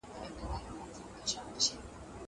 زه مخکي د ښوونځی لپاره امادګي نيولی وو!